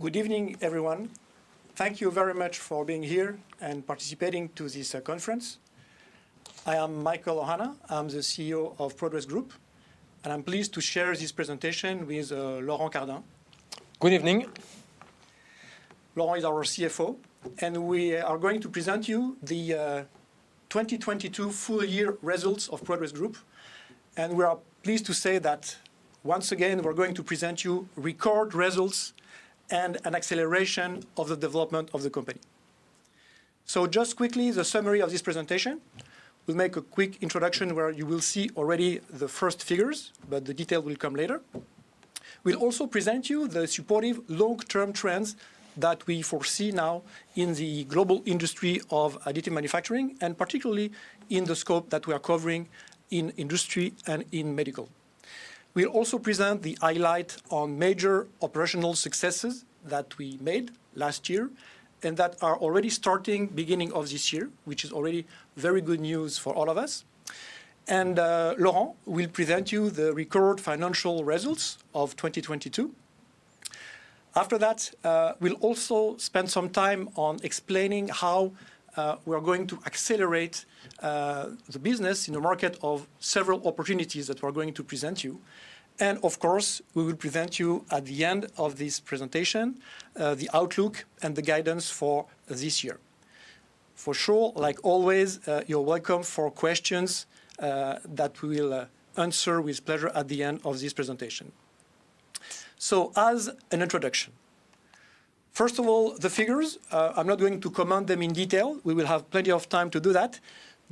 Good evening, everyone. Thank you very much for being here and participating to this conference. I am Michaël Ohana. I'm the CEO of Prodways Group, and I'm pleased to share this presentation with Laurent Cadenat. Good evening. Laurent is our CFO. We are going to present you the 2022 full year results of Prodways Group. We are pleased to say that once again, we're going to present you record results and an acceleration of the development of the company. Just quickly, the summary of this presentation. We'll make a quick introduction where you will see already the first figures, but the detail will come later. We'll also present you the supportive long-term trends that we foresee now in the global industry of additive manufacturing, and particularly in the scope that we are covering in industry and in medical. We'll also present the highlight on major operational successes that we made last year and that are already starting beginning of this year, which is already very good news for all of us. Laurent will present you the record financial results of 2022. After that, we'll also spend some time on explaining how we're going to accelerate the business in the market of several opportunities that we're going to present you. Of course, we will present you at the end of this presentation, the outlook and the guidance for this year. For sure, like always, you're welcome for questions that we will answer with pleasure at the end of this presentation. As an introduction, first of all, the figures, I'm not going to comment them in detail. We will have plenty of time to do that.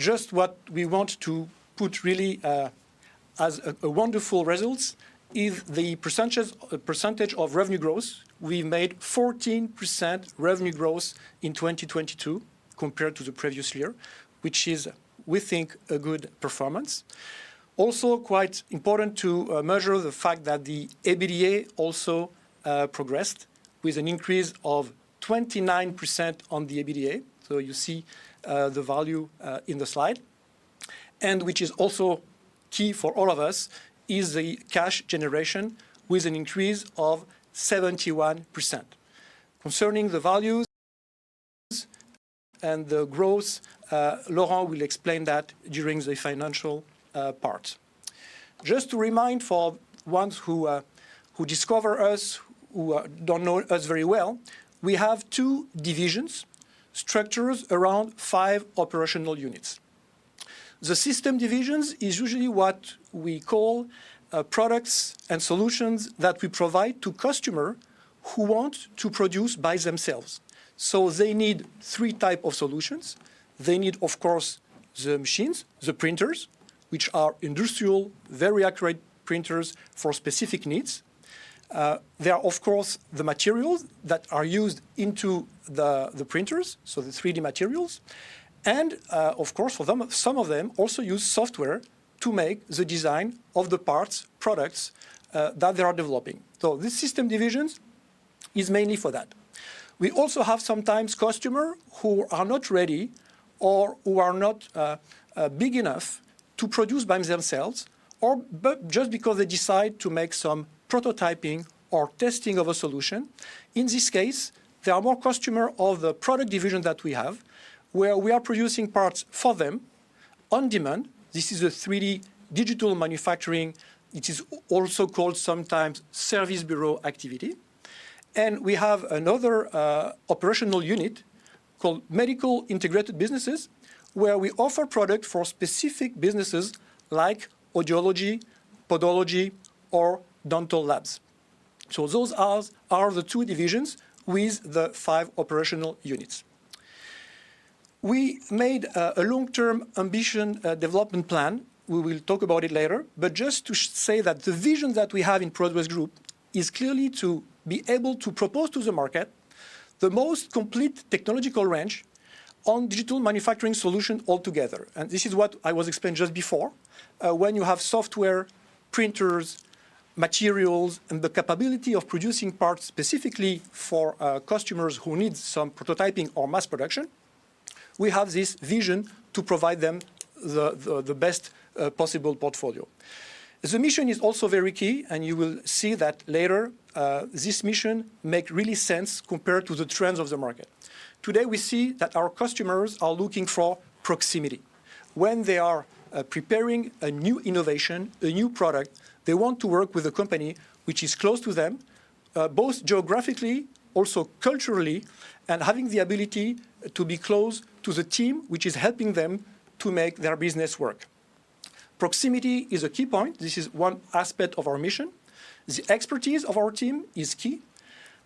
Just what we want to put really as a wonderful results is the percentage of revenue growth. We made 14% revenue growth in 2022 compared to the previous year, which is, we think, a good performance. Quite important to measure the fact that the EBITDA also progressed with an increase of 29% on the EBITDA, you see the value in the slide. Which is also key for all of us is the cash generation with an increase of 71%. Concerning the values and the growth, Laurent will explain that during the financial part. Just to remind for ones who discover us, who don't know us very well, we have two divisions structured around five operational units. The system divisions is usually what we call products and solutions that we provide to customer who want to produce by themselves. They need three type of solutions. They need, of course, the machines, the printers, which are industrial, very accurate printers for specific needs. There are of course the materials that are used into the printers, so the 3D materials. Of course for them, some of them also use software to make the design of the parts, products, that they are developing. This system divisions is mainly for that. We also have sometimes customer who are not ready or who are not big enough to produce by themselves or just because they decide to make some prototyping or testing of a solution. In this case, they are more customer of the product division that we have, where we are producing parts for them on demand. This is a 3D digital manufacturing. It is also called sometimes service bureau activity. We have another operational unit called Medical Integrated Businesses, where we offer product for specific businesses like audiology, podology, or dental labs. Those are the two divisions with the five operational units. We made a long-term ambition development plan. We will talk about it later. Just to say that the vision that we have in Prodways Group is clearly to be able to propose to the market the most complete technological range on digital manufacturing solution altogether. This is what I was explaining just before. When you have software, printers, materials, and the capability of producing parts specifically for customers who need some prototyping or mass production, we have this vision to provide them the best possible portfolio. The mission is also very key, and you will see that later. This mission make really sense compared to the trends of the market. Today, we see that our customers are looking for proximity. When they are preparing a new innovation, a new product, they want to work with a company which is close to them, both geographically, also culturally, and having the ability to be close to the team, which is helping them to make their business work. Proximity is a key point. This is one aspect of our mission. The expertise of our team is key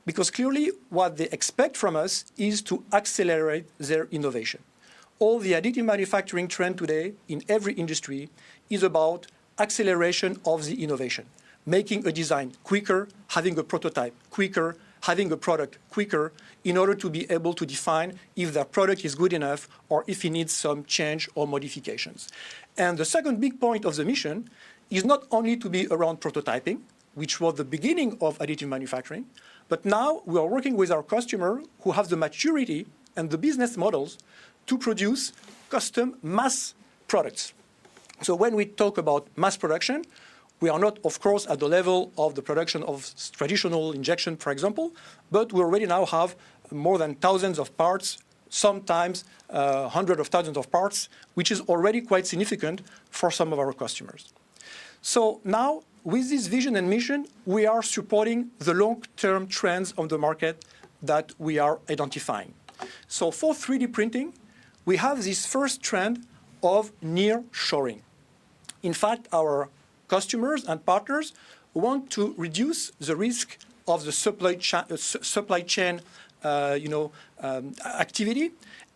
because clearly what they expect from us is to accelerate their innovation. All the additive manufacturing trend today in every industry is about acceleration of the innovation. Making a design quicker, having a prototype quicker, having a product quicker in order to be able to define if the product is good enough or if it needs some change or modifications. The second big point of the mission is not only to be around prototyping, which was the beginning of additive manufacturing, but now we are working with our customer who have the maturity and the business models to produce custom mass products. When we talk about mass production, we are not, of course, at the level of the production of traditional injection, for example, but we already now have more than thousands of parts, sometimes, hundred of thousands of parts, which is already quite significant for some of our customers. Now with this vision and mission, we are supporting the long-term trends on the market that we are identifying. For 3D printing, we have this first trend of nearshoring. In fact, our customers and partners want to reduce the risk of the supply chain, you know, activity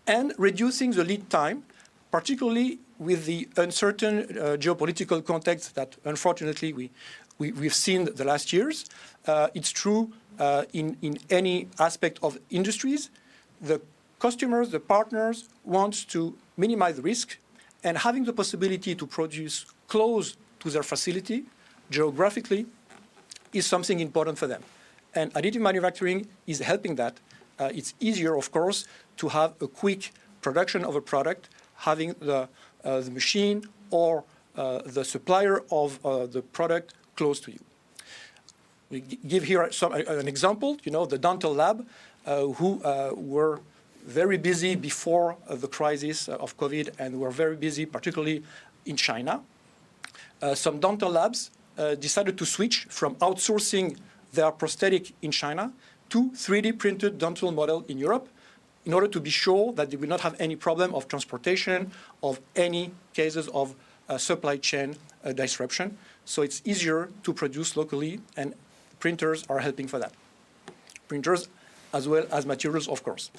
and reducing the lead time, particularly with the uncertain geopolitical context that unfortunately we've seen the last years. It's true, in any aspect of industries, the customers, the partners wants to minimize risk, and having the possibility to produce close to their facility geographically is something important for them. Additive manufacturing is helping that. It's easier, of course, to have a quick production of a product, having the machine or the supplier of the product close to you. We give here an example, you know, the dental lab, who were very busy before the crisis of COVID and were very busy, particularly in China. Some dental labs decided to switch from outsourcing their prosthetic in China to 3D printed dental model in Europe in order to be sure that they will not have any problem of transportation, of any cases of supply chain disruption. It's easier to produce locally, and printers are helping for that. Printers as well as materials, of course.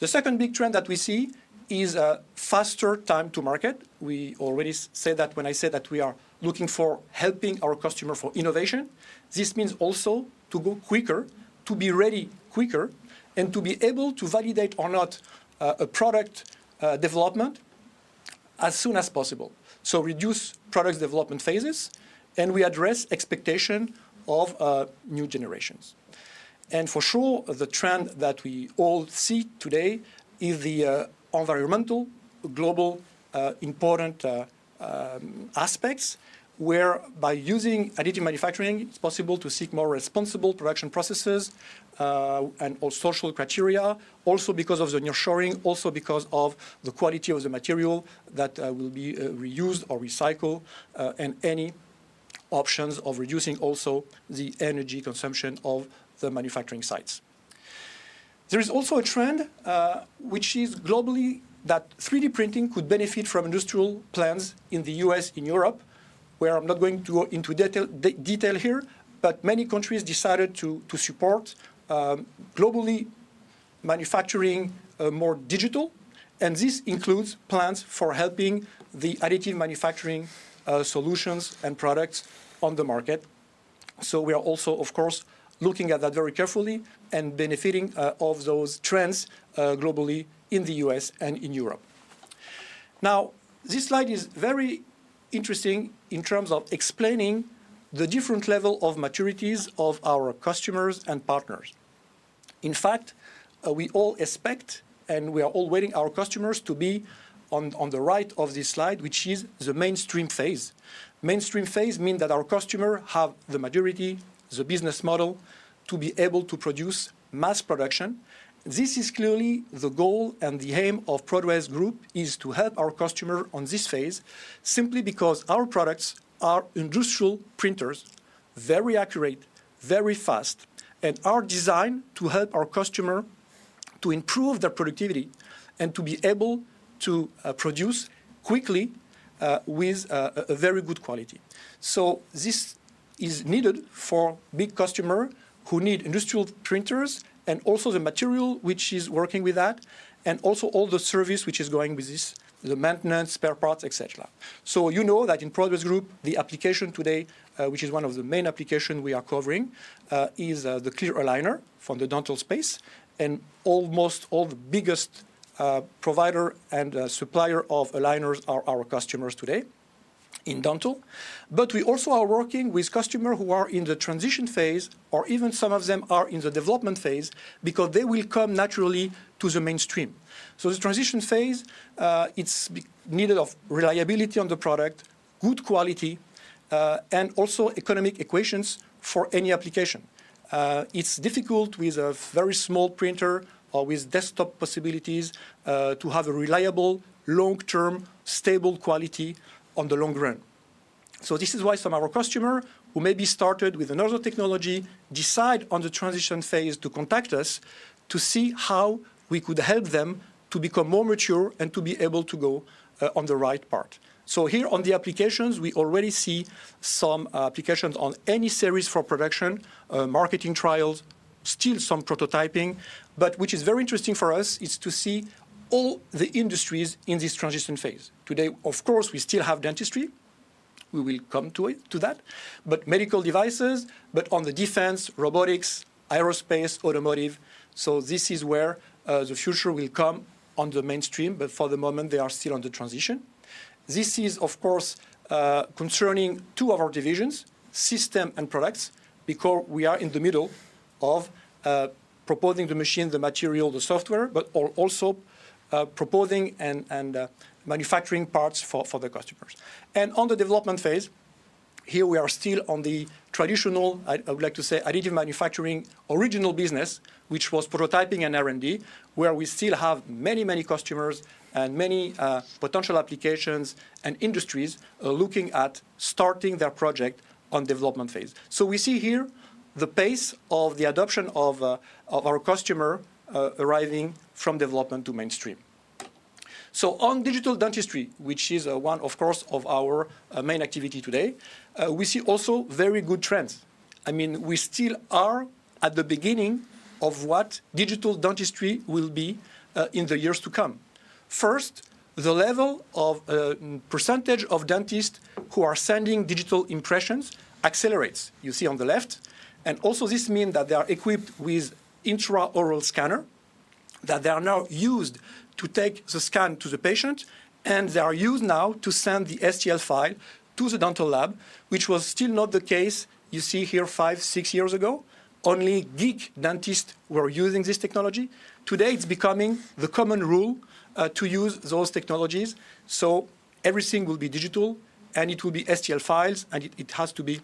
The second big trend that we see is a faster time to market. We already say that when I say that we are looking for helping our customer for innovation. This means also to go quicker, to be ready quicker, and to be able to validate or not a product development as soon as possible. Reduce product development phases, and we address expectation of new generations. For sure, the trend that we all see today is the environmental, global, important aspects, where by using additive manufacturing, it's possible to seek more responsible production processes, and or social criteria. Also because of the nearshoring, also because of the quality of the material that will be reused or recycled, and any options of reducing also the energy consumption of the manufacturing sites. There is also a trend, which is globally that 3D printing could benefit from industrial plans in the U.S., in Europe, where I'm not going to go into detail here, but many countries decided to support globally manufacturing more digital, and this includes plans for helping the additive manufacturing solutions and products on the market. We are also, of course, looking at that very carefully and benefiting of those trends globally in the U.S. and in Europe. This slide is very interesting in terms of explaining the different level of maturities of our customers and partners. In fact, we all expect, and we are all waiting our customers to be on the right of this slide, which is the mainstream phase. Mainstream phase mean that our customer have the maturity, the business model to be able to produce mass production. This is clearly the goal, and the aim of Prodways Group is to help our customer on this phase simply because our products are industrial printers, very accurate, very fast, and are designed to help our customer to improve their productivity and to be able to produce quickly with a very good quality. This is needed for big customer who need industrial printers and also the material which is working with that, and also all the service which is going with this, the maintenance, spare parts, et cetera. You know that in Prodways Group, the application today, which is one of the main application we are covering, is the clear aligner from the dental space, and almost all the biggest provider and supplier of aligners are our customers today in dental. We also are working with customer who are in the transition phase or even some of them are in the development phase because they will come naturally to the mainstream. The transition phase, it's needed of reliability on the product, good quality, and also economic equations for any application. It's difficult with a very small printer or with desktop possibilities to have a reliable, long-term, stable quality on the long run. This is why some of our customer who maybe started with another technology decide on the transition phase to contact us to see how we could help them to become more mature and to be able to go on the right path. Here on the applications, we already see some applications on any series for production, marketing trials, still some prototyping, but which is very interesting for us is to see all the industries in this transition phase. Today, of course, we still have dentistry. We will come to that. Medical devices, but on the defense, robotics, aerospace, automotive, so this is where the future will come on the mainstream, but for the moment, they are still on the transition. This is, of course, concerning two of our divisions, system and products, because we are in the middle of proposing the machine, the material, the software, but also proposing and manufacturing parts for the customers. On the development phase, here we are still on the traditional, I would like to say additive manufacturing original business, which was prototyping and R&D, where we still have many, many customers and many potential applications and industries, looking at starting their project on development phase. We see here the pace of the adoption of our customer, arriving from development to mainstream. On digital dentistry, which is one of course of our main activity today, we see also very good trends. I mean, we still are at the beginning of what digital dentistry will be in the years to come. First, the level of percentage of dentists who are sending digital impressions accelerates, you see on the left. Also this mean that they are equipped with intraoral scanner, that they are now used to take the scan to the patient, and they are used now to send the STL file to the dental lab, which was still not the case, you see here five, six years ago. Only geek dentists were using this technology. Today, it's becoming the common rule to use those technologies. Everything will be digital, and it will be STL files, and it has to be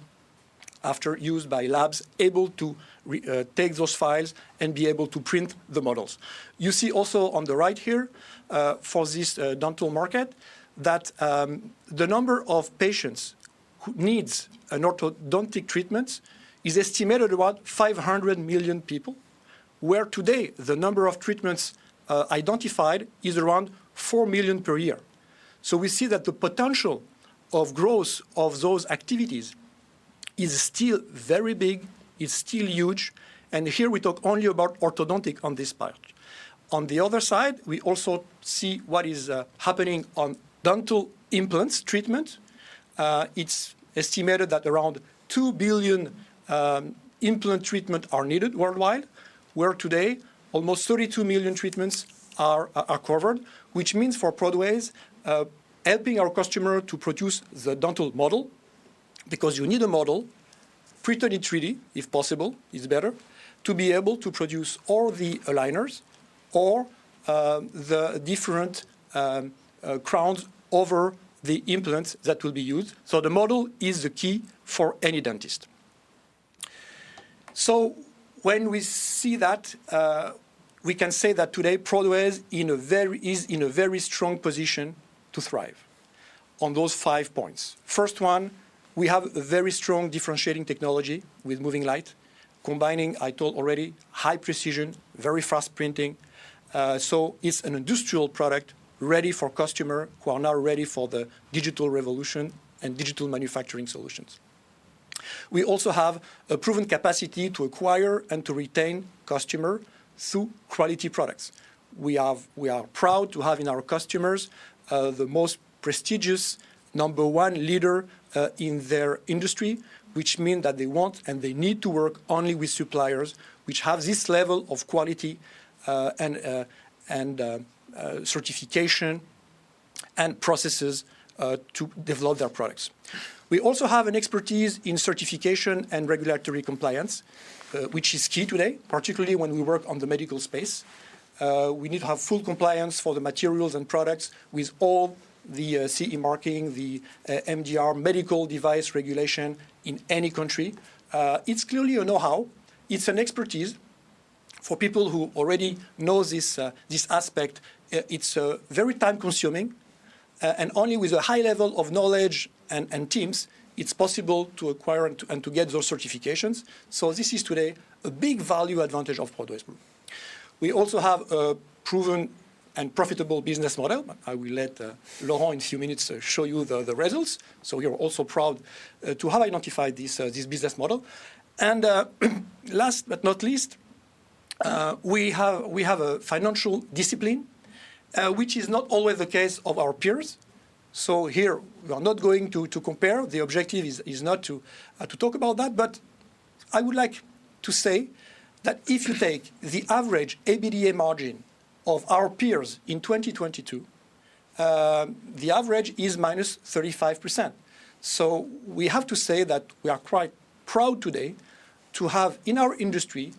after used by labs able to re-take those files and be able to print the models. You see also on the right here, for this dental market, that the number of patients who needs an orthodontic treatment is estimated about 500 million people, where today the number of treatments identified is around 4 million per year. We see that the potential of growth of those activities is still very big, is still huge, and here we talk only about orthodontic on this part. On the other side, we also see what is happening on dental implants treatment. It's estimated that around 2 billion implant treatment are needed worldwide, where today almost 32 million treatments are covered, which means for Prodways helping our customer to produce the dental model, because you need a model, printed 3D if possible, is better, to be able to produce all the aligners or the different crowns over the implants that will be used. The model is the key for any dentist. When we see that, we can say that today Prodways is in a very strong position to thrive on those five points. First one, we have a very strong differentiating technology with MOVINGLight, combining, I told already, high precision, very fast printing. It's an industrial product ready for customer who are now ready for the digital revolution and digital manufacturing solutions. We also have a proven capacity to acquire and to retain customer through quality products. We are proud to have in our customers the most prestigious number one leader in their industry, which mean that they want and they need to work only with suppliers which have this level of quality and certification and processes to develop their products. We also have an expertise in certification and regulatory compliance, which is key today, particularly when we work on the medical space. We need to have full compliance for the materials and products with all the CE marking, the MDR Medical Device Regulation in any country. It's clearly a know-how. It's an expertise for people who already know this aspect. It's very time-consuming and only with a high level of knowledge and teams it's possible to acquire and to get those certifications. This is today a big value advantage of Prodways Group. We also have a proven and profitable business model. I will let Laurent in a few minutes show you the results. We are also proud to have identified this business model. Last but not least, we have a financial discipline which is not always the case of our peers. Here we are not going to compare. The objective is not to talk about that. I would like to say that if you take the average EBITDA margin of our peers in 2022, the average is -35%. We have to say that we are quite proud today to have in our industry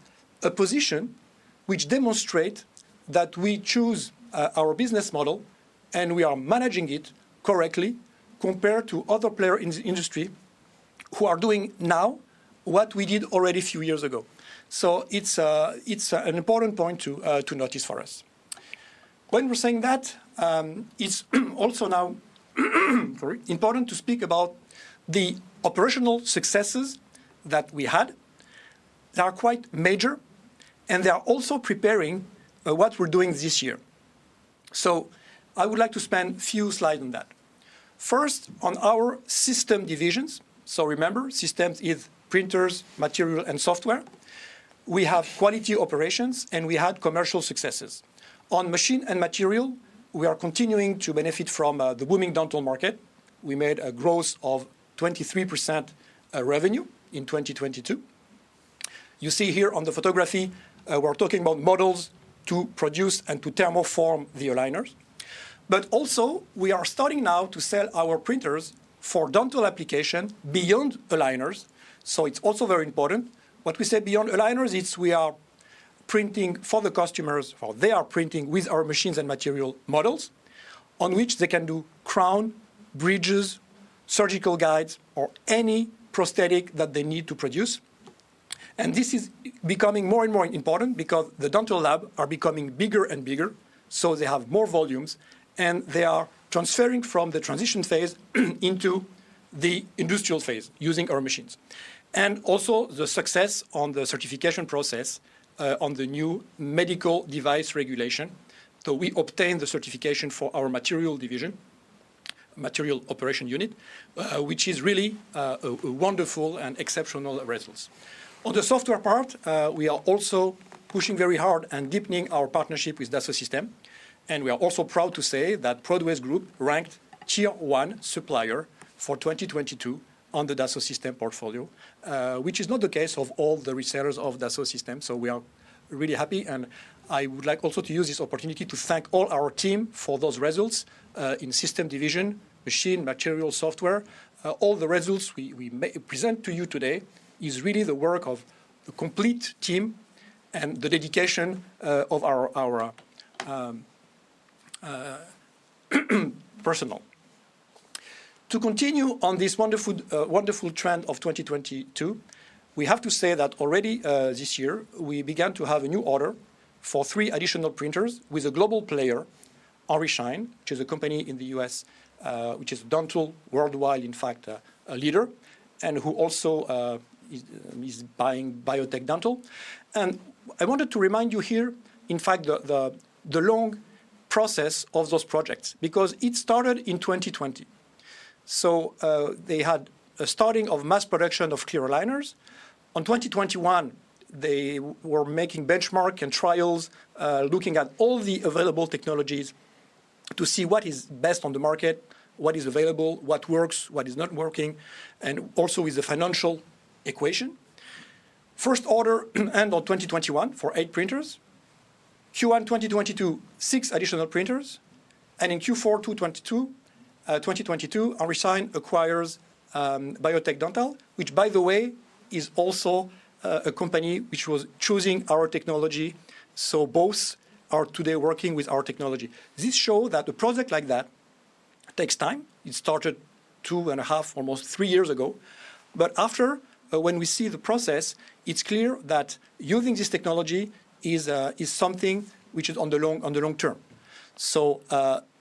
a position which demonstrate that we choose our business model and we are managing it correctly compared to other player in the industry who are doing now what we did already a few years ago. It's an important point to notice for us. When we're saying that, it's also now Sorry. Important to speak about the operational successes that we had. They are quite major, and they are also preparing what we're doing this year. I would like to spend few slide on that. First, on our system divisions, so remember, systems is printers, material, and software. We have quality operations, and we had commercial successes. On machine and material, we are continuing to benefit from the booming dental market. We made a growth of 23%, revenue in 2022. You see here on the photography, we're talking about models to produce and to thermoform the aligners. Also, we are starting now to sell our printers for dental application beyond aligners, so it's also very important. What we say beyond aligners, it's we are printing for the customers, or they are printing with our machines and material models, on which they can do crown, bridges, surgical guides, or any prosthetic that they need to produce. This is becoming more and more important because the dental lab are becoming bigger and bigger, so they have more volumes, and they are transferring from the transition phase into the industrial phase using our machines. Also, the success on the certification process, on the new Medical Device Regulation. We obtained the certification for our material division, material operation unit, which is really a wonderful and exceptional results. On the software part, we are also pushing very hard and deepening our partnership with Dassault Systèmes, and we are also proud to say that Prodways Group ranked tier one supplier for 2022 on the Dassault Systèmes portfolio, which is not the case of all the resellers of Dassault Systèmes. We are really happy, and I would like also to use this opportunity to thank all our team for those results, in system division, machine, material, software. All the results we present to you today is really the work of the complete team and the dedication of our personal. To continue on this wonderful trend of 2022, we have to say that already, this year, we began to have a new order for three additional printers with a global player, OraShine, which is a company in the US, which is dental worldwide, in fact, a leader, and who also is buying Biotech Dental. I wanted to remind you here, in fact, the long process of those projects, because it started in 2020. They had a starting of mass production of clear aligners. On 2021, they were making benchmark and trials, looking at all the available technologies to see what is best on the market, what is available, what works, what is not working, and also with the financial equation. First order end of 2021 for eight printers. Q1 2022, six additional printers. In Q4 2022, OraShine acquires Biotech Dental, which by the way, is also a company which was choosing our technology, so both are today working with our technology. This show that a project like that takes time. It started 2.5 years, almost three years ago. After, when we see the process, it's clear that using this technology is something which is on the long term.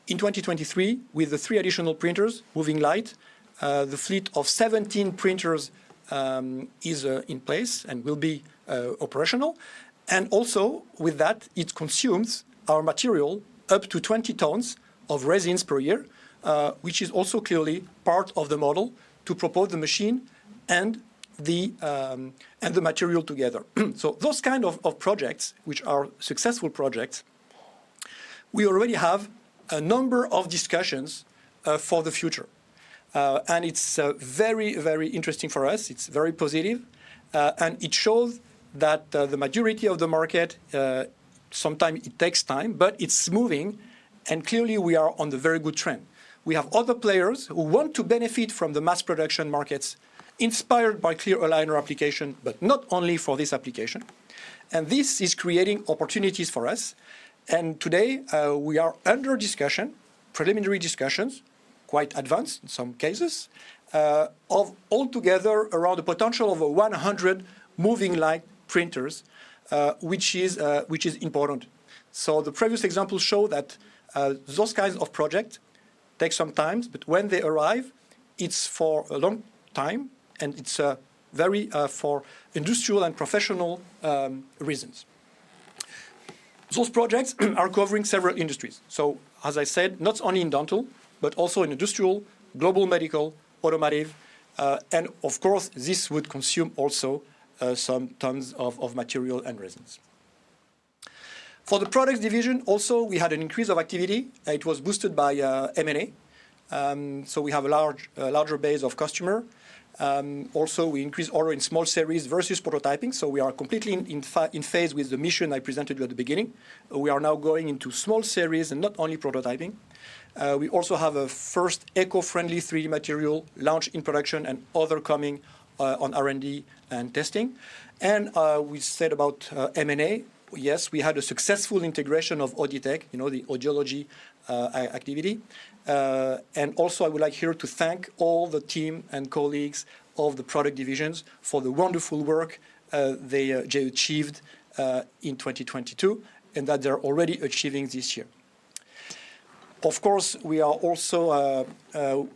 In 2023, with the three additional printers, MOVINGLight, the fleet of 17 printers, is in place and will be operational. Also, with that, it consumes our material up to 20 tons of resins per year, which is also clearly part of the model to propose the machine and the material together. Those kind of projects, which are successful projects, we already have a number of discussions for the future. It's very, very interesting for us. It's very positive. It shows that the maturity of the market, sometime it takes time, but it's moving, and clearly we are on the very good trend. We have other players who want to benefit from the mass production markets inspired by clear aligner application, but not only for this application. This is creating opportunities for us. Today, we are under discussion, preliminary discussions, quite advanced in some cases, of all together around a potential of 100 MOVINGLight printers, which is important. The previous example show that those kinds of project take some times, but when they arrive, it's for a long time, and it's very for industrial and professional reasons. Those projects are covering several industries. As I said, not only in dental, but also in industrial, global medical, automotive, and of course, this would consume also some tons of material and resins. For the product division, also, we had an increase of activity. It was boosted by M&A. We have a large, a larger base of customer. Also, we increased order in small series versus prototyping, we are completely in phase with the mission I presented you at the beginning. We are now going into small series and not only prototyping. We also have a first eco-friendly 3D material launched in production and other coming on R&D and testing. We said about M&A. Yes, we had a successful integration of Auditech, you know, the audiology activity. Also, I would like here to thank all the team and colleagues of the product divisions for the wonderful work they achieved in 2022 and that they're already achieving this year. Of course, we are also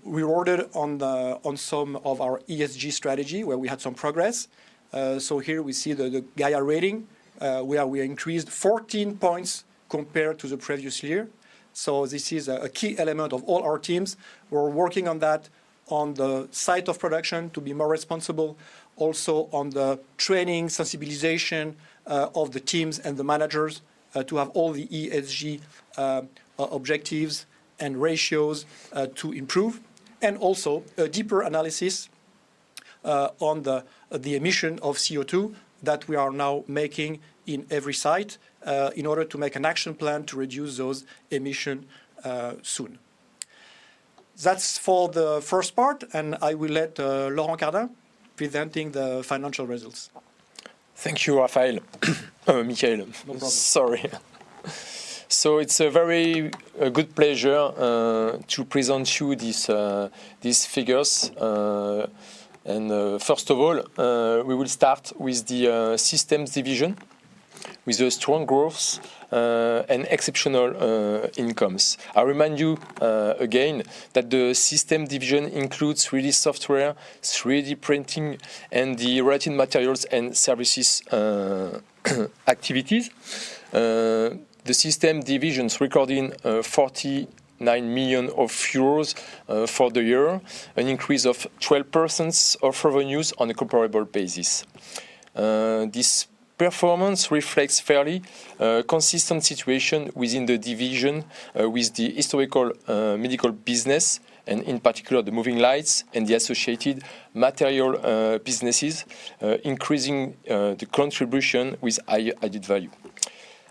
rewarded on some of our ESG strategy, where we had some progress. Here we see the Gaïa Rating, where we increased 14 points compared to the previous year. This is a key element of all our teams. We're working on that on the site of production to be more responsible, also on the training, sensibilization of the teams and the managers, to have all the ESG objectives and ratios to improve. Also a deeper analysis on the emission of CO2 that we are now making in every site, in order to make an action plan to reduce those emission soon. That's for the first part, and I will let Laurent Cadenat presenting the financial results. Thank you, Rafael. Michaël. No problem. Sorry. It's a very, a good pleasure to present you these figures. First of all, we will start with the systems division, with the strong growth and exceptional incomes. I remind you again that the system division includes 3D software, 3D printing, and the written materials and services activities. The system division's recording 49 million euros for the year, an increase of 12% of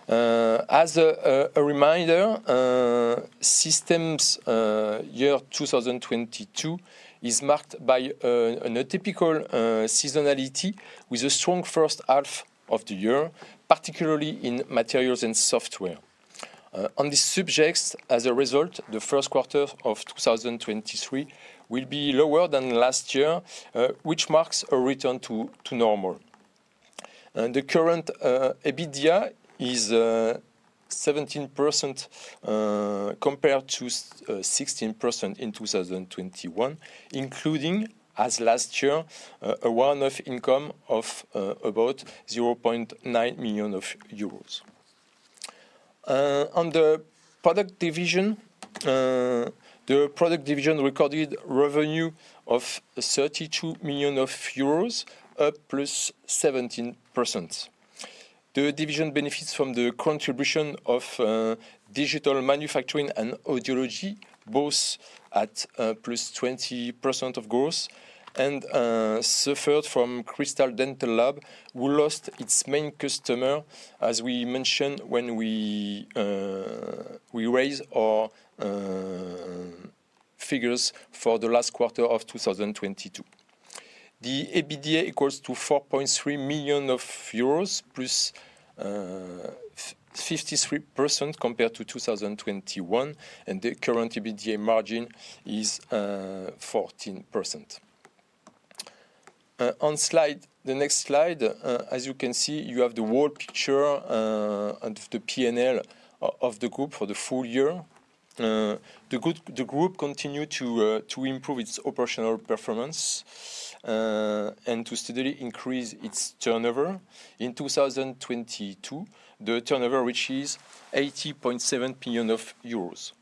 revenues on a comparable basis. This performance reflects fairly consistent situation The EBITDA equals to 4.3 million euros, +53% compared to 2021, and the current EBITDA margin is 14%. On slide... The next slide, as you can see, you have the whole picture of the P&L of the group for the full year. The group continued to improve its operational performance and to steadily increase its turnover. In 2022, the turnover reaches 80.7 million euros.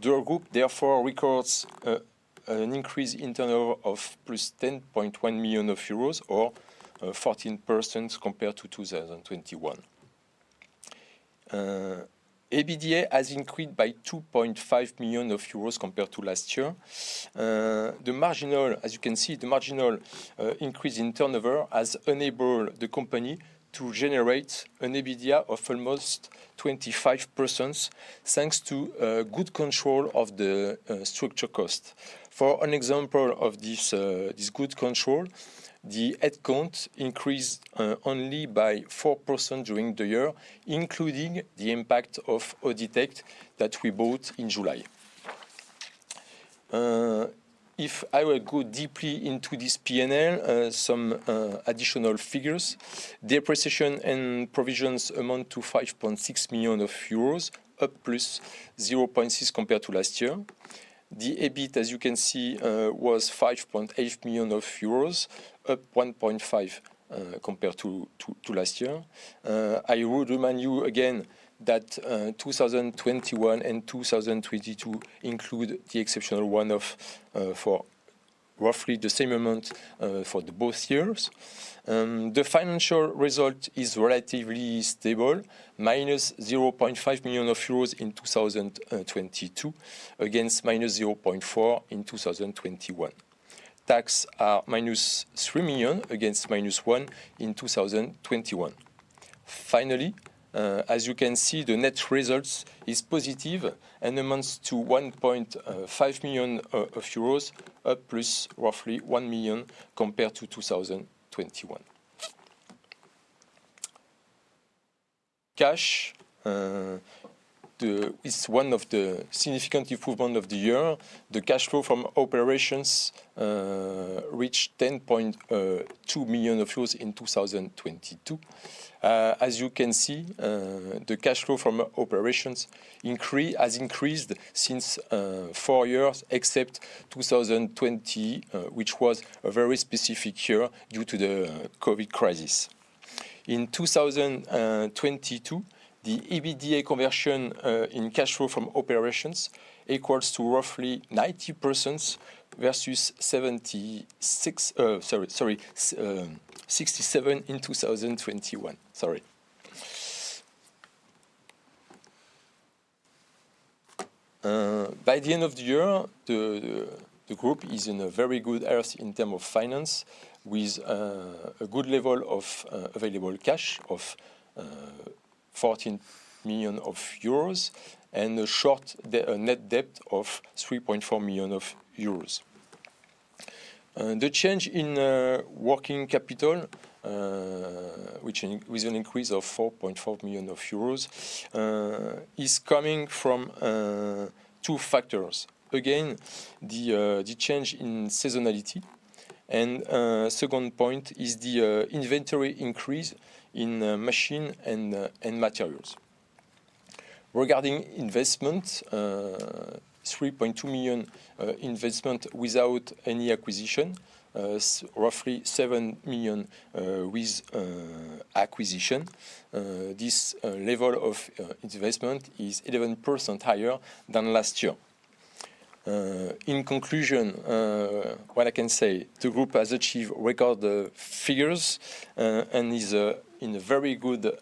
The group therefore records an increase in turnover of +10.1 million euros or 14% compared to 2021. EBITDA has increased by 2.5 million euros compared to last year. The marginal increase in turnover has enabled the company to generate an EBITDA of almost 25%, thanks to good control of the structure cost. For an example of this good control, the head count increased only by 4% during the year, including the impact of Auditech that we bought in July. If I will go deeply into this P&L, some additional figures. Depreciation and provisions amount to 5.6 million euros, up +0.6 million compared to last year. The EBIT, as you can see, was 5.8 million euros, up 1.5 million euros compared to last year. I would remind you again that 2021 and 2022 include the exceptional one-off for roughly the same amount for both years. The financial result is relatively stable, minus 0.5 million euros in 2022 against minus 0.4 million in 2021. Tax are minus 3 million against minus 1 million in 2021. Finally, as you can see, the net results is positive and amounts to 1.5 million euros, up plus roughly 1 million compared to 2021. Cash is one of the significant improvement of the year. The cash flow from operations reached 10.2 million euros in 2022. As you can see, the cash flow from operations has increased since four years, except 2020, which was a very specific year due to the COVID crisis. In 2022, the EBITDA conversion in cash flow from operations equals to roughly 90% versus 76, sorry, 67 in 2021. Sorry. By the end of the year, the group is in a very good health in term of finance with a good level of available cash of 14 million euros and a short net debt of 3.4 million euros. The change in working capital, with an increase of 4.4 million euros, is coming from two factors. Again, the change in seasonality, and second point is the inventory increase in machine and in materials. Regarding investment, 3.2 million investment without any acquisition, roughly 7 million with acquisition. This level of investment is 11% higher than last year. In conclusion, what I can say, the group has achieved record figures, and is in a very good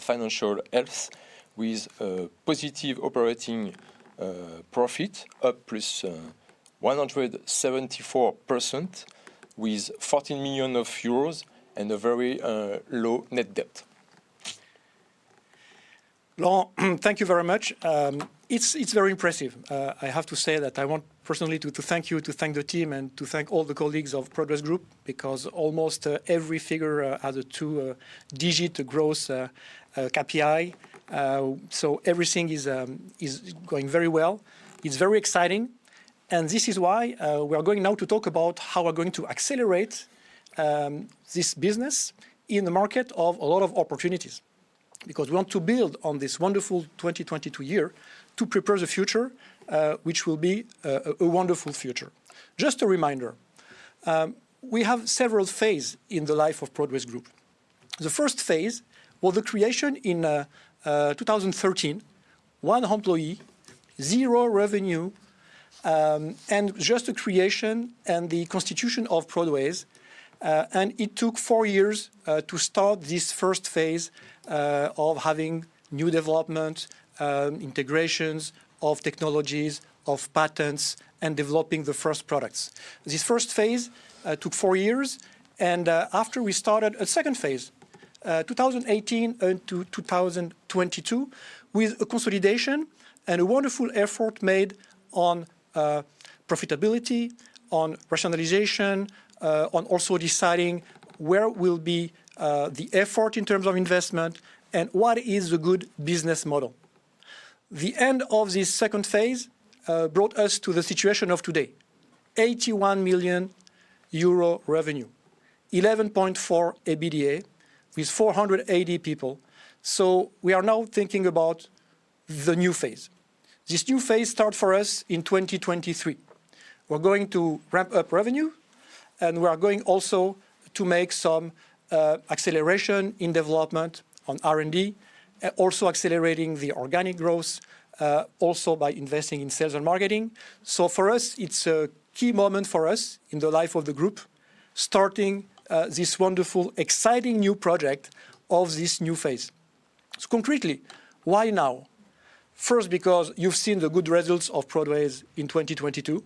financial health with a positive operating profit up +174% with 14 million euros and a very low net debt. Laurent, thank you very much. It's very impressive. I have to say that I want personally to thank you, to thank the team, and to thank all the colleagues of Prodways Group, because almost every figure had a two digit growth KPI. Everything is going very well. It's very exciting, and this is why we are going now to talk about how we're going to accelerate this business in the market of a lot of opportunities. Because we want to build on this wonderful 2022 year to prepare the future, which will be a wonderful future. Just a reminder, we have several phase in the life of Prodways Group. The first phase was the creation in 2013, one employee, zero revenue, and just the creation and the constitution of Prodways. It took four years to start this first phase of having new development, integrations of technologies, of patents, and developing the first products. This first phase took four years, after we started a second phase, 2018 until 2022, with a consolidation and a wonderful effort made on profitability, on rationalization, on also deciding where will be the effort in terms of investment and what is a good business model. The end of this second phase brought us to the situation of today, EUR 81 million revenue, 11.4 EBITDA with 480 people. We are now thinking about the new phase. This new phase start for us in 2023. We're going to ramp up revenue, and we are going also to make some acceleration in development on R&D, also accelerating the organic growth, also by investing in sales and marketing. For us, it's a key moment for us in the life of the group, starting this wonderful, exciting new project of this new phase. Concretely, why now? Because you've seen the good results of Prodways in 2022,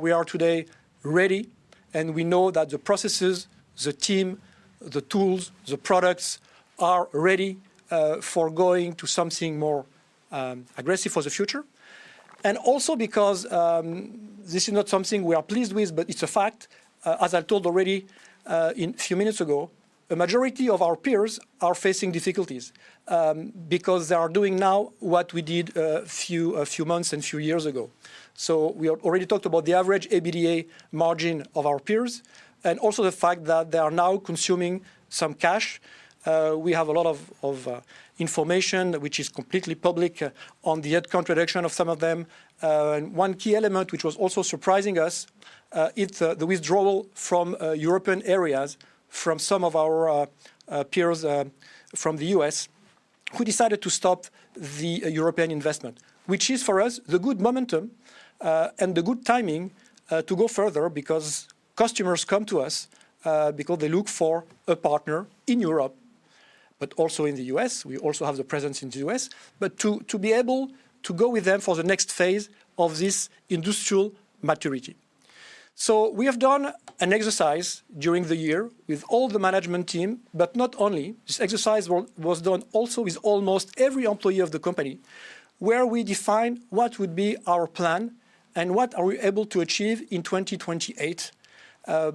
we are today ready, we know that the processes, the team, the tools, the products are ready for going to something more aggressive for the future. Also because this is not something we are pleased with, it's a fact, as I told already a few minutes ago, the majority of our peers are facing difficulties because they are doing now what we did a few months and a few years ago. We have already talked about the average EBITDA margin of our peers also the fact that they are now consuming some cash. We have a lot of information which is completely public on the head contradiction of some of them. One key element which was also surprising us, it's the withdrawal from European areas from some of our peers from the U.S. who decided to stop the European investment. Which is for us the good momentum and the good timing to go further because customers come to us because they look for a partner in Europe, but also in the U.S. We also have the presence in the U.S. To be able to go with them for the next phase of this industrial maturity. We have done an exercise during the year with all the management team, but not only. This exercise was done also with almost every employee of the company, where we define what would be our plan and what are we able to achieve in 2028,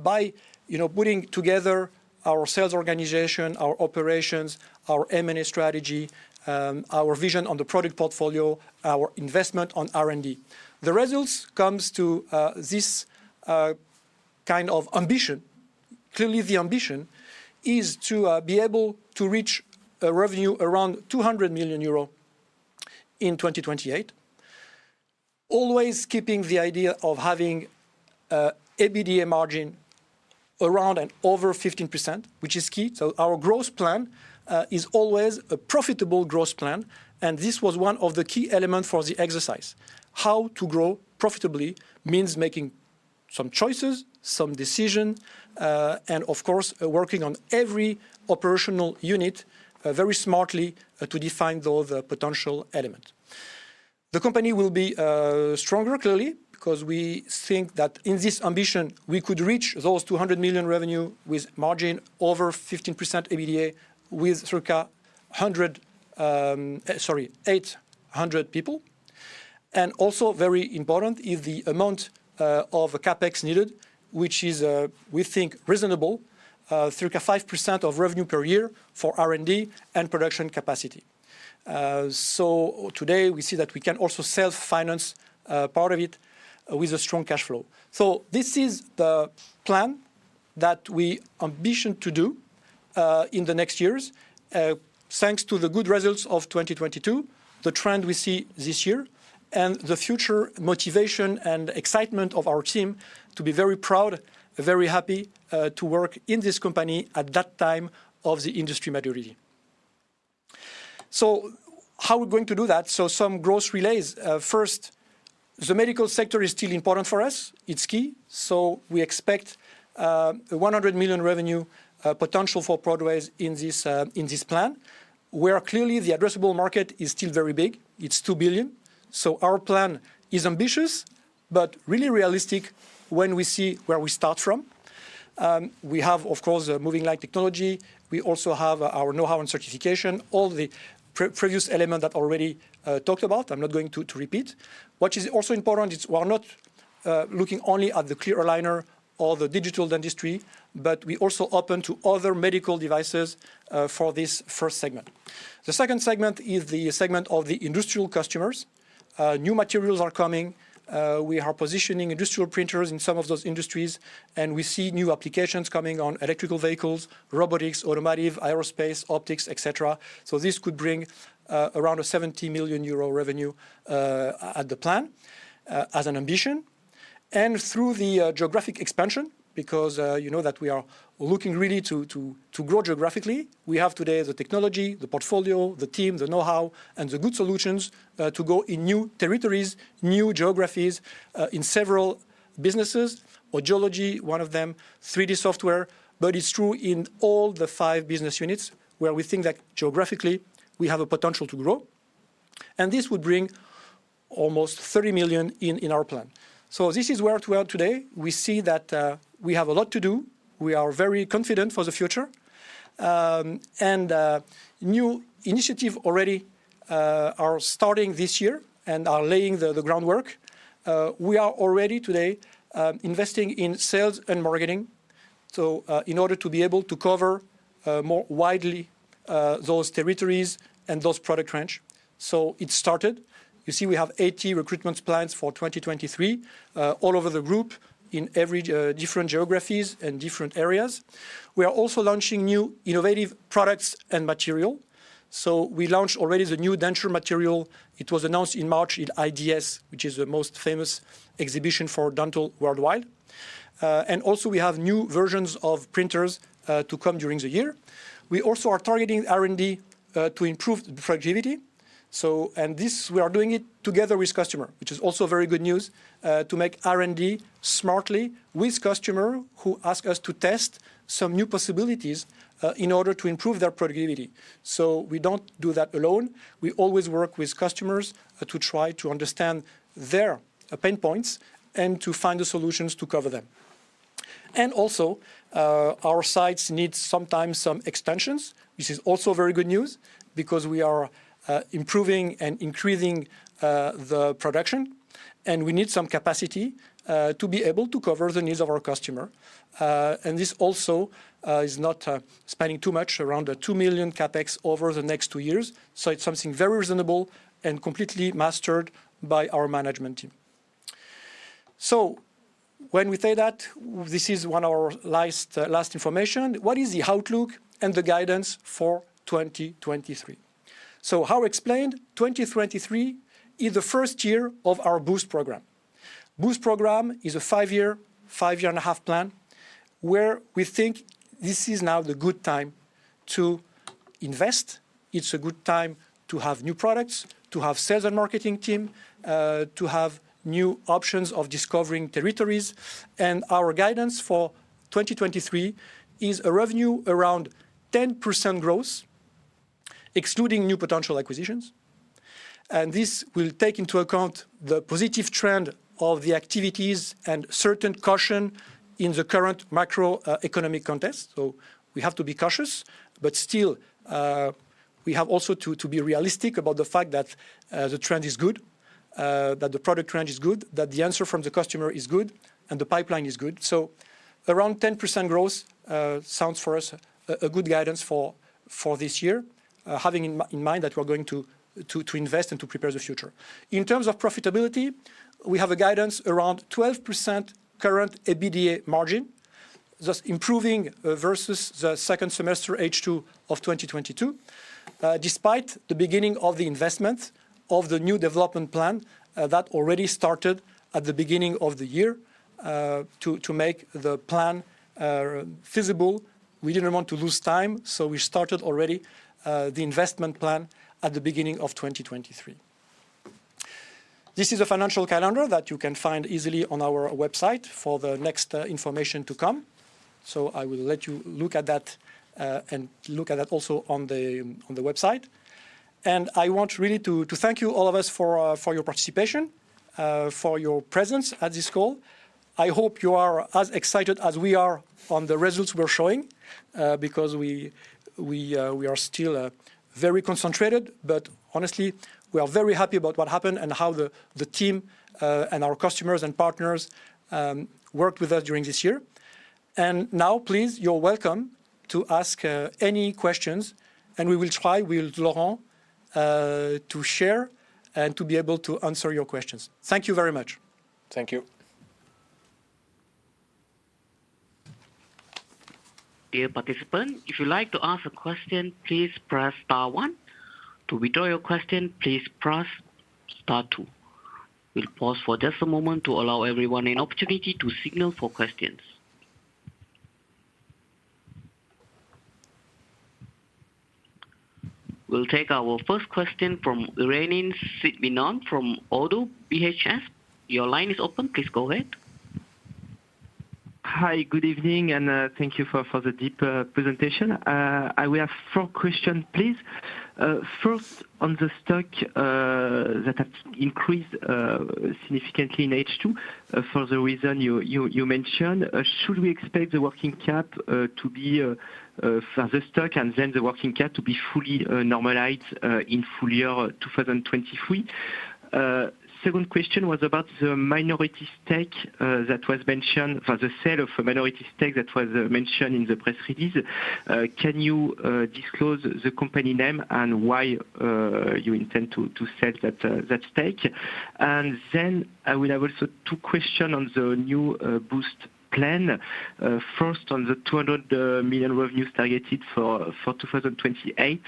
by, you know, putting together our sales organization, our operations, our M&A strategy, our vision on the product portfolio, our investment on R&D. The results comes to this kind of ambition. Clearly, the ambition is to be able to reach a revenue around 200 million euro in 2028, always keeping the idea of having a EBITDA margin around and over 15%, which is key. Our growth plan is always a profitable growth plan, and this was one of the key element for the exercise. How to grow profitably means making some choices, some decision, and of course, working on every operational unit very smartly to define those potential element. The company will be stronger clearly, because we think that in this ambition, we could reach those 200 million revenue with margin over 15% EBITDA with circa 800 people. Also very important is the amount of CapEx needed, which is we think reasonable, circa 5% of revenue per year for R&D and production capacity. Today, we see that we can also self-finance part of it with a strong cash flow. This is the plan that we ambition to do in the next years, thanks to the good results of 2022, the trend we see this year, and the future motivation and excitement of our team to be very proud, very happy, to work in this company at that time of the industry maturity. How we're going to do that? Some growth relays. First, the medical sector is still important for us, it's key. We expect EUR 100 million revenue potential for Prodways in this in this plan, where clearly the addressable market is still very big. It's EUR 2 billion. Our plan is ambitious, but really realistic when we see where we start from. We have, of course, a MOVINGLight technology. We also have our know-how and certification, all the pre-previous element that already talked about. I'm not going to repeat. What is also important is we're not looking only at the clear aligner or the digital dentistry, but we also open to other medical devices for this first segment. The second segment is the segment of the industrial customers. New materials are coming. We are positioning industrial printers in some of those industries, and we see new applications coming on electrical vehicles, robotics, automotive, aerospace, optics, et cetera. This could bring around a EUR 70 million revenue at the plan as an ambition. Through the geographic our sites need sometimes some extensions. This is also very good news because we are improving and increasing the production, and we need some capacity to be able to cover the needs of our customer. And this also is not spending too much around a 2 million CapEx over the next two years. It's something very reasonable and completely mastered by our management team. When we say that, this is one of our last information, what is the outlook and the guidance for 2023? How explained, 2023 is the first year of our BOOST program. BOOST program is a five-year-and-a-half plan where we think this is now the good time to invest. It's a good time to have new products, to have sales and marketing team, to have new options of discovering territories. Our guidance for 2023 is a revenue around 10% growth, excluding new potential acquisitions. This will take into account the positive trend of the activities and certain caution in the current macro economic context. We have to be cautious, but still, we have also to be realistic about the fact that the trend is good, that the product trend is good, that the answer from the customer is good, and the pipeline is good. Around 10% growth sounds for us a good guidance for this year, having in mind that we're going to invest and to prepare the future. In terms of profitability, we have a guidance around 12% current EBITDA margin, thus improving versus the second semester H2 of 2022. Despite the beginning of the investment of the new development plan that already started at the beginning of the year to make the plan feasible. We didn't want to lose time, we started already the investment plan at the beginning of 2023. This is a financial calendar that you can find easily on our website for the next information to come. I will let you look at that and look at that also on the website. I want really to thank you all of us for your participation, for your presence at this call. I hope you are as excited as we are on the results we are showing, because we are still very concentrated, but honestly, we are very happy about what happened and how the team and our customers and partners worked with us during this year. Now please, you're welcome to ask any questions, and we will try with Laurent to share and to be able to answer your questions. Thank you very much. Thank you. Dear participant, if you'd like to ask a question, please press star one. To withdraw your question, please press star two. We'll pause for just a moment to allow everyone an opportunity to signal for questions. We'll take our first question from Kévin Sidhoum from ODDO BHF. Your line is open. Please go ahead. Hi. Good evening, and thank you for the deep presentation. I will have four questions, please. First on the stock that has increased significantly in H2 for the reason you mentioned. Should we expect the working cap to be for the stock and then the working cap to be fully normalized in full year 2023? Second question was about the minority stake that was mentioned for the sale of a minority stake that was mentioned in the press release. Can you disclose the company name and why you intend to sell that stake? I will have also two questions on the new BOOST plan. First on the 200 million revenues targeted for 2028.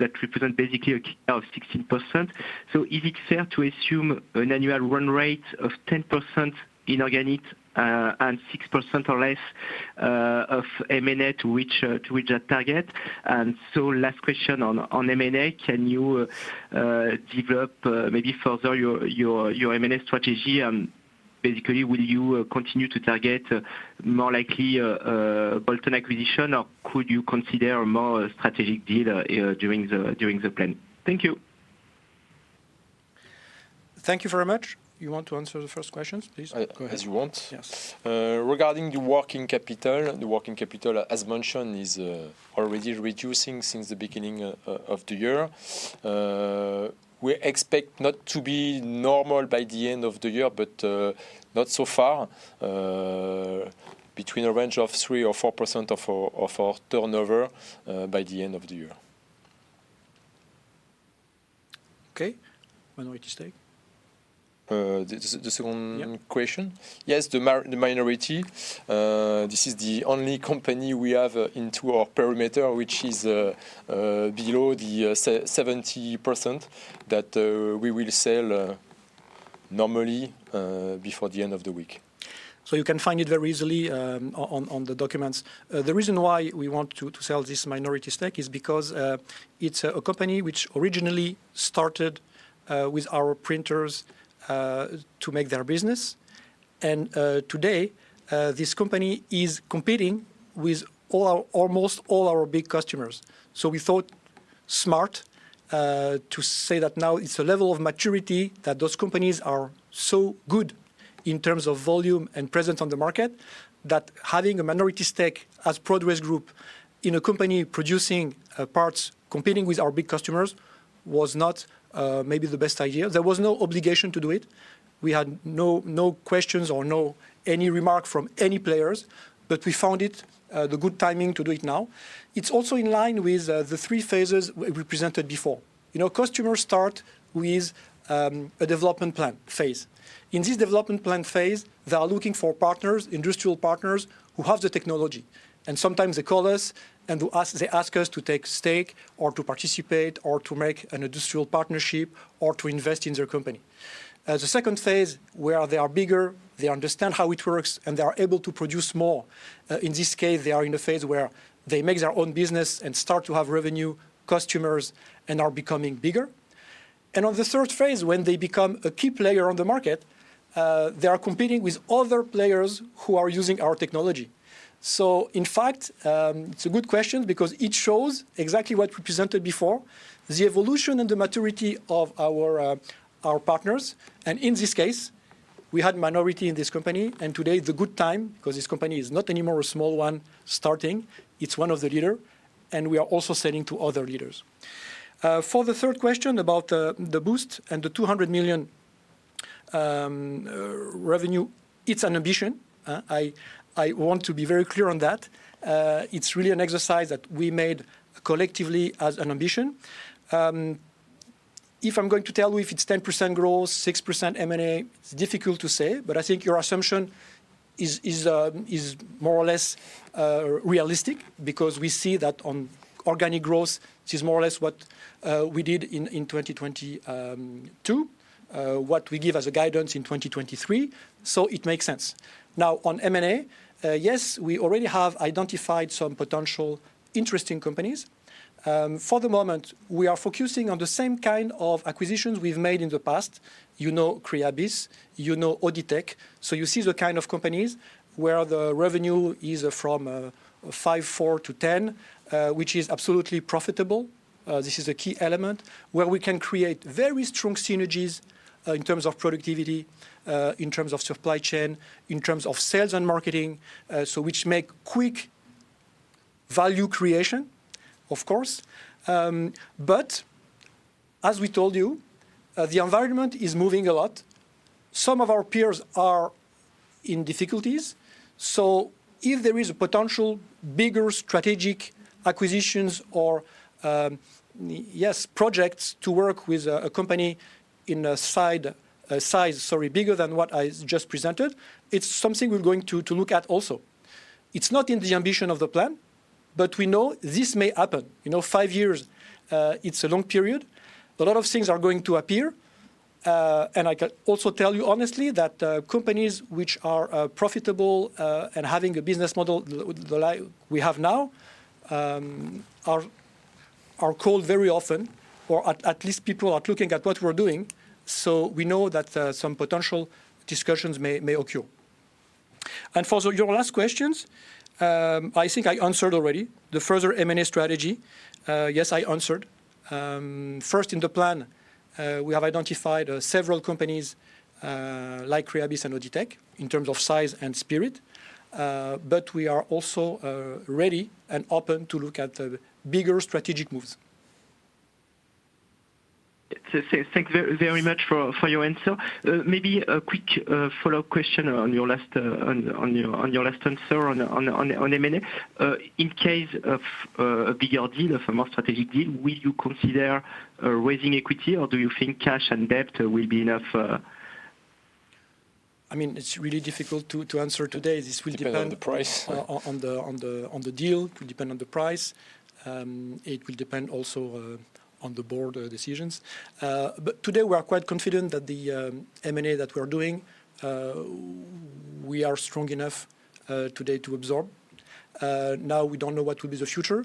That represents basically a 16%. Is it fair to assume an annual run rate of 10% inorganic, and 6% or less of M&A to reach that target? Last question on M&A. Can you develop maybe further your M&A strategy? Basically, will you continue to target more likely bolt-on acquisition or could you consider more strategic deal during the plan? Thank you. Thank you very much. You want to answer the first questions, please? Go ahead. As you want. Yes. Regarding the working capital, as mentioned, is already reducing since the beginning of the year. We expect not to be normal by the end of the year, but not so far, between a range of 3% or 4% of our turnover by the end of the year. Okay. Minority stake. The second question? Yeah. Yes, the minority. This is the only company we have into our perimeter, which is below the 70% that we will sell normally before the end of the week. You can find it very easily on the documents. The reason why we want to sell this minority stake is because it's a company which originally started with our printers to make their business. Today, this company is competing with almost all our big customers. We thought smart to say that now it's a level of maturity that those companies are so good in terms of volume and presence on the market, that having a minority stake as Prodways Group in a company producing parts competing with our big customers was not maybe the best idea. There was no obligation to do it. We had no questions or no any remark from any players, we found it the good timing to do it now. It's also in line with the three phases we presented before. You know, customers start with a development plan phase. In this development plan phase, they are looking for partners, industrial partners who have the technology. Sometimes they call us, they ask us to take stake or to participate or to make an industrial partnership or to invest in their company. The second phase where they are bigger, they understand how it works, and they are able to produce more. In this case, they are in a phase where they make their own business and start to have revenue, customers, and are becoming bigger. On the third phase, when they become a key player on the market, they are competing with other players who are using our technology. In fact, it's a good question because it shows exactly what we presented before, the evolution and the maturity of our partners. In this case, we had minority in this company, and today the good time, because this company is not anymore a small one starting, it's one of the leader, and we are also selling to other leaders. For the third question about the Boost and the 200 million revenue, it's an ambition. I want to be very clear on that. It's really an exercise that we made collectively as an ambition. If I'm going to tell you if it's 10% growth, 6% M&A, it's difficult to say, but I think your assumption is more or less realistic because we see that on organic growth, this is more or less what we did in 2022. What we give as a guidance in 2023, so it makes sense. Now, on M&A, yes, we already have identified some potential interesting companies. For the moment, we are focusing on the same kind of acquisitions we've made in the past. You know Creabis, you know Auditech. You see the kind of companies where the revenue is from 5 million, 4 million-10 million, which is absolutely profitable. This is a key element, where we can create very strong synergies, in terms of productivity, in terms of supply chain, in terms of sales and marketing, which make quick value creation, of course. As we told you, the environment is moving a lot. Some of our peers are in difficulties. If there is a potential bigger strategic acquisitions or, yes, projects to work with a company in a side, size, sorry, bigger than what I just presented, it's something we're going to look at also. It's not in the ambition of the plan, but we know this may happen. You know, 5 years, it's a long period. A lot of things are going to appear. I can also tell you honestly that companies which are profitable and having a business model like we have now are called very often, or at least people are looking at what we're doing. We know that some potential discussions may occur. For your last questions, I think I answered already. The further M&A strategy, yes, I answered. First, in the plan, we have identified several companies like Creabis and Auditech in terms of size and spirit. We are also ready and open to look at bigger strategic moves. Thank very much for your answer. Maybe a quick follow-up question on your last, on your last answer on M&A. In case of a bigger deal, of a more strategic deal, will you consider raising equity, or do you think cash and debt will be enough? I mean, it's really difficult to answer today. Depend on the price. on the deal. It will depend on the price. It will depend also on the board decisions. Today we are quite confident that the M&A that we are doing, we are strong enough today to absorb. Now we don't know what will be the future,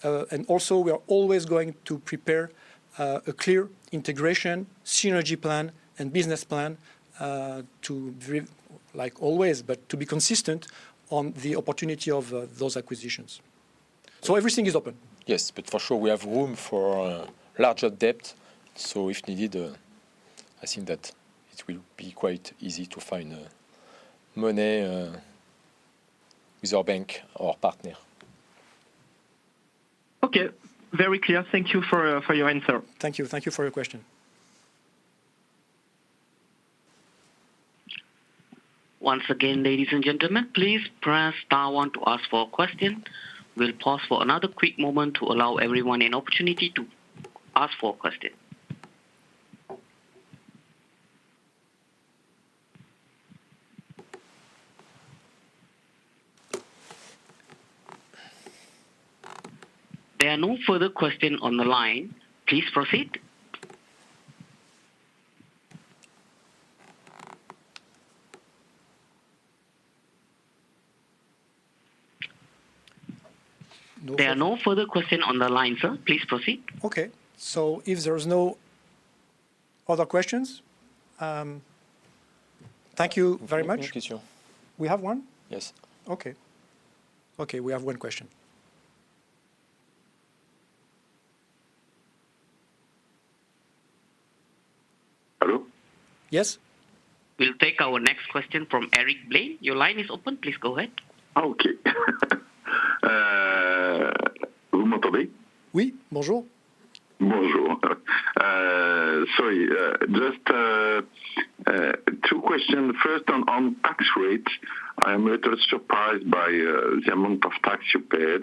and we have all different options. This is where we are in quite comfortable situation today because we are able, even if we need to raise, to have the good fundamentals to find the money necessary. Also we are always going to prepare a clear integration synergy plan and business plan to drive, like always, but to be consistent on the opportunity of those acquisitions. Everything is open. For sure we have room for larger debt, so if needed, I think that it will be quite easy to find money with our bank or partner. Okay. Very clear. Thank you for for your answer. Thank you. Thank you for your question. Once again, ladies and gentlemen, please press star one to ask for a question. We'll pause for another quick moment to allow everyone an opportunity to ask for a question. There are no further question on the line. Please proceed. There are no further question on the line, sir. Please proceed. Okay. If there's no other questions, thank you very much. Thank you, sir. We have one? Yes. Okay. Okay, we have one question. Hello? Yes. We'll take our next question from Eric Blanc. Your line is open. Please go ahead. Okay. You hear me? Yes. Hello. Hello. Sorry. Just two question. First, on tax rate, I am a little surprised by the amount of tax you paid.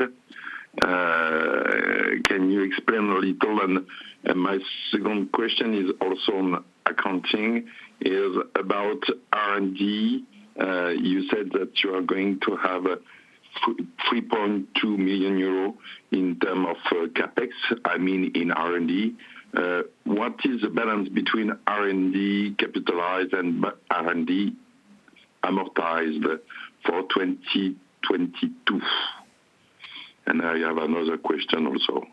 Can you explain a little? My second question is also on accounting, is about R&D. You said that you are going to have 3.2 million euro in term of CapEx, I mean in R&D. What is the balance between R&D capitalized and R&D amortized for 2022? I have another question also.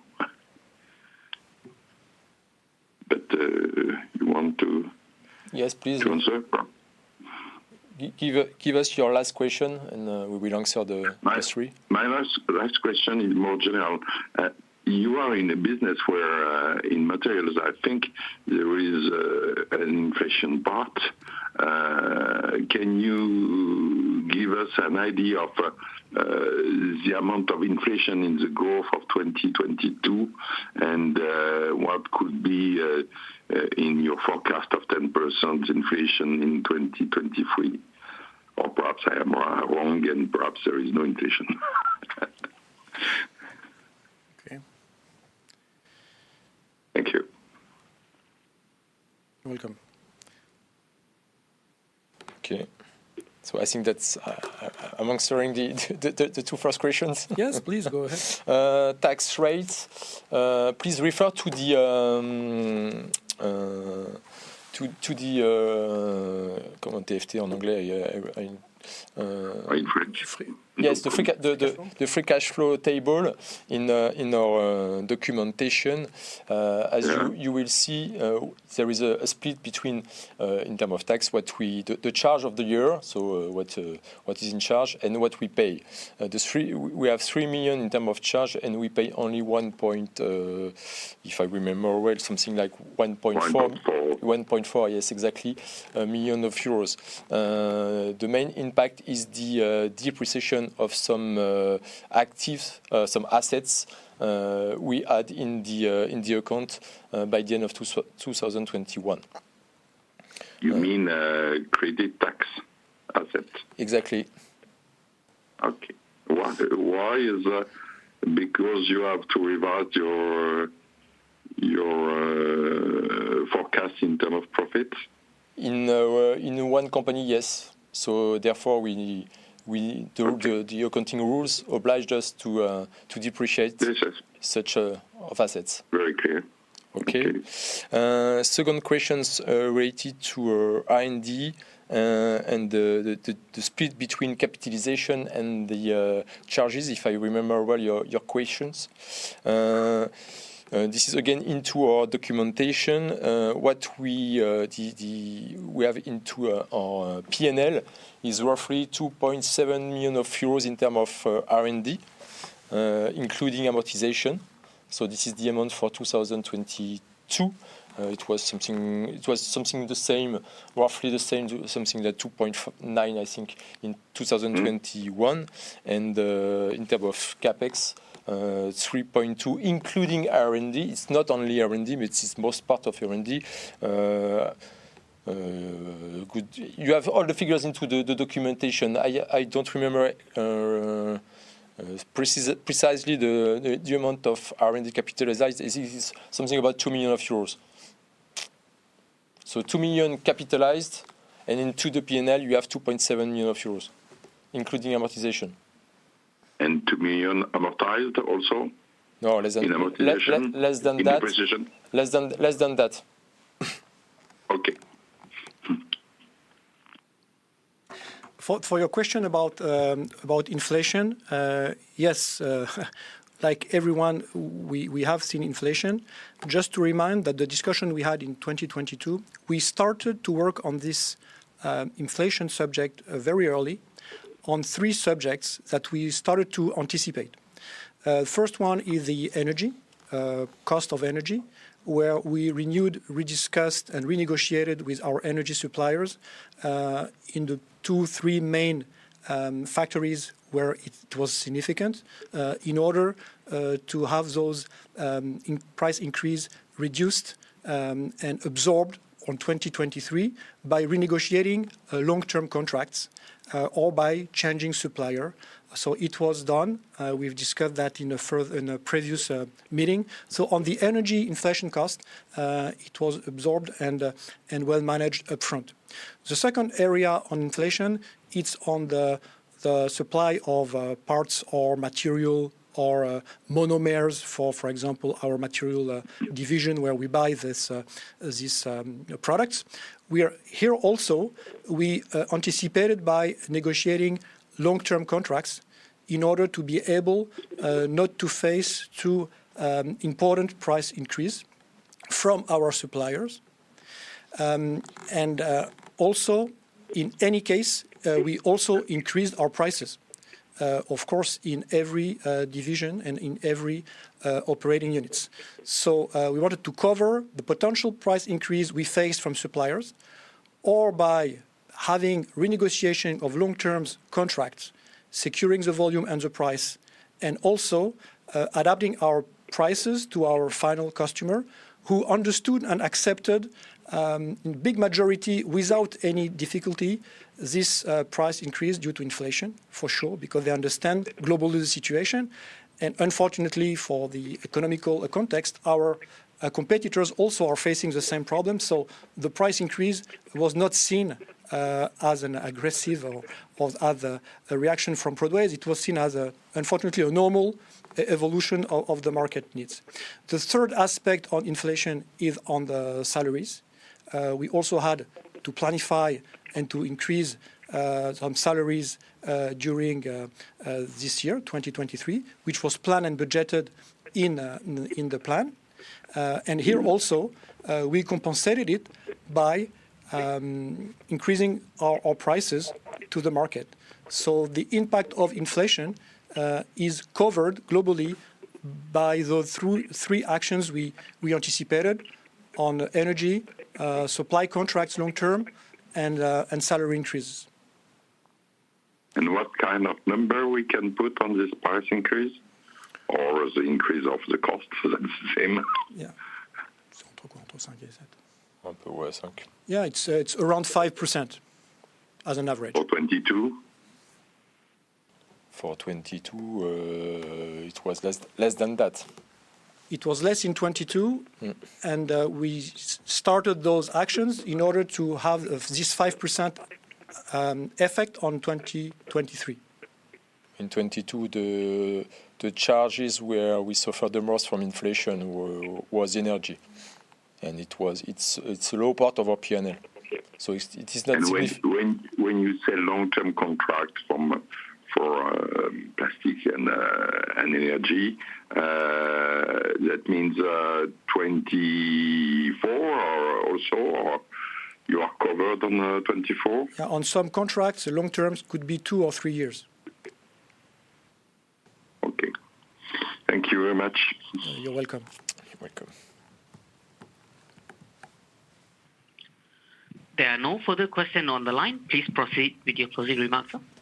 You want to- Yes, please. To answer? Give us your last question, and we will answer the first three. My last question is more general. You are in a business where, in materials, I think there is an inflation part. Can you give us an idea of the amount of inflation in the growth of 2022, and what could be in your forecast of 10% inflation in 2023? Perhaps I am wrong, and perhaps there is no inflation. Okay. Thank you. You're welcome. Okay. I think that's amongst answering the two first questions. Yes, please go ahead. Tax rates. please refer to the, to the, In French. Yes, the free cash flow table in our documentation. Yeah as you will see, there is a split between in term of tax. The charge of the year, what is in charge and what we pay. The 3 million in term of charge, and we pay only, if I remember well, something like 1.4 million. 1.4 million. EUR 1.4 million, yes, exactly, million EUR. The main impact is the depreciation of some assets, we add in the account, by the end of 2021. You mean, credit tax assets? Exactly. Okay. Why is that? You have to revert your forecast in terms of profits? In one company, yes. Therefore we need. Okay the accounting rules obliged us to. Depreciate such of assets. Very clear. Okay. Okay. Second questions, related to our R&D, and the split between capitalization and the charges, if I remember well, your questions. This is again into our documentation. What we have into our P&L is roughly EUR 2.7 million in term of R&D, including amortization. This is the amount for 2022. It was something the same, roughly the same, something like 2.9 million, I think, in 2021. Mm-hmm. In term of CapEx, 3.2 million, including R&D. It's not only R&D, but it's most part of R&D. You have all the figures into the documentation. I don't remember precisely the amount of R&D capitalized. It is something about 2 million euros. 2 million capitalized, and into the P&L you have 2.7 million euros, including amortization. 2 million amortized also? No, less than. In amortization? Less than that. In depreciation? Less than that. Okay. For your question about about inflation, yes, like everyone, we have seen inflation. Just to remind that the discussion we had in 2022, we started to work on this inflation subject very early on three subjects that we started to anticipate. First one is the energy cost of energy, where we renewed, rediscussed, and renegotiated with our energy suppliers in the two, three main factories where it was significant in order to have those price increase reduced and absorbed on 2023 by renegotiating long-term contracts or by changing supplier. It was done. We've discussed that in a previous meeting. On the energy inflation cost, it was absorbed and well managed upfront. The second area on inflation, it's on the supply of parts or material or monomers for example, our material division where we buy these products. Here also, we anticipated by negotiating long-term contracts in order to be able not to face too important price increase from our suppliers. Also, in any case, we also increased our prices, of course, in every division and in every operating units. We wanted to cover the potential price increase we face from suppliers or by having renegotiation of long-term contracts, securing the volume and the price, and also, adapting our prices to our final customer who understood and accepted big majority without any difficulty this price increase due to inflation, for sure, because they understand globally the situation. Unfortunately for the economical context, our competitors also are facing the same problem. The price increase was not seen as an aggressive or other reaction from Prodways. It was seen as, unfortunately, a normal e-evolution of the market needs. The third aspect on inflation is on the salaries. We also had to planify and to increase some salaries during this year, 2023, which was planned and budgeted in the plan. Here also, we compensated it by increasing our prices to the market. The impact of inflation is covered globally by the three actions we anticipated on energy supply contracts long term, and salary increases. What kind of number we can put on this price increase or the increase of the cost? Is that the same? Yeah. Okay. Yeah. It's around 5% as an average. For 2022? For 2022, it was less than that. It was less in 2022. Mm. We started those actions in order to have of this 5%, effect on 2023. In 2022, the charges where we suffered the most from inflation were energy. It's a low part of our P&L. Okay. It's, it is. When you say long-term contract from, for, plastic and energy, that means 2024 or also, or you are covered on 2024? Yeah. On some contracts, the long terms could be two or three years. Okay. Thank you very much. You're welcome. You're welcome. There are no further question on the line. Please proceed with your closing remarks, sir. We think there is no more questions. Thank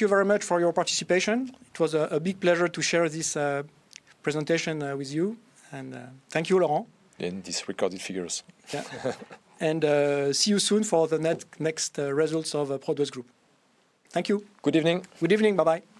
you very much for your participation. It was a big pleasure to share this presentation with you. Thank you, Laurent. These recorded figures. Yeah. See you soon for the next results of Prodways Group. Thank you. Good evening. Good evening. Bye-bye.